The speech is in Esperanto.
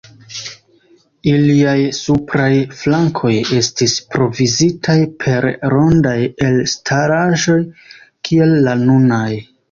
Iliaj supraj flankoj, estis provizitaj per rondaj elstaraĵoj, kiel la nunaj.